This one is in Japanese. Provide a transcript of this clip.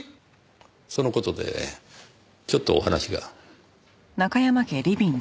その事でちょっとお話が。